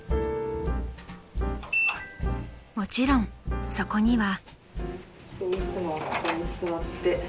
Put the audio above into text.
［もちろんそこには］